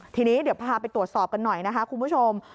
ทีนี้เดี๋ยวพาไปตรวจสอบกันหน่อยนะคะคุณผู้ชม